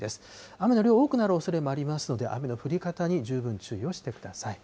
雨の量、多くなるおそれもありますので、雨の降り方に十分注意をしてください。